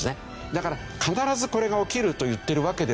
だから必ずこれが起きると言ってるわけではないんです。